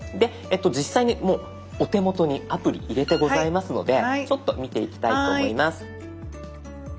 実際にもうお手元にアプリ入れてございますのでちょっと見ていきたいと思います。